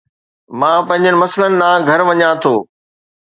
مان پنهنجي مسئلن ڏانهن گهر وڃان ٿو